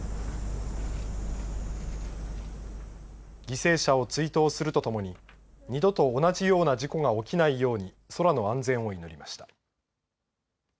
犠牲者を追悼するとともに二度と同じような事故が起きないように空の安全を祈りました。